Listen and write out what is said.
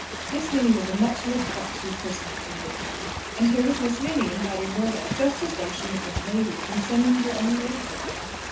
Miss Minnie was a much looked up to personage in Whitford. And here was Miss Minnie inviting Rhoda just as though she had been a lady, and sending her own maid for her.